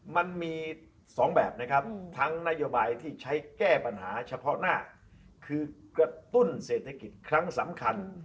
มันมี๒แบบนะครับทั้งนโยบายที่ใช้แก้ปัญหาเฉพาะหน้าคือกระตุ้นเศรษฐกิจครั้งสำคัญ